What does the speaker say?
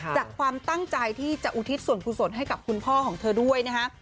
จากความตั้งใจที่จะอุทิศส่วนกุศลให้กับคุณพ่อของเธอด้วยนะคะ